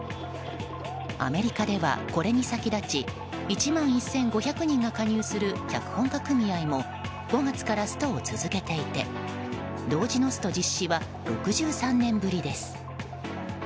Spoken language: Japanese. アメリカでは、これに先立ち１万１５００人が加入する脚本家組合も５月からストを続けていて同時のスト実施は６３年ぶりです。